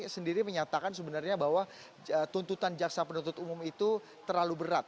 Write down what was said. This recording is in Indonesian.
sendiri menyatakan sebenarnya bahwa tuntutan jaksa penuntut umum itu terlalu berat